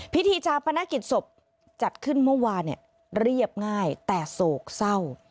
พิธีชาปนกิจศพจัดขึ้นเมื่อวานเนี่ยเรียบง่ายแต่โศกเศร้า